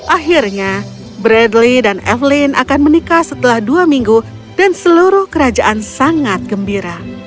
akhirnya bradley dan evelyn akan menikah setelah dua minggu dan seluruh kerajaan sangat gembira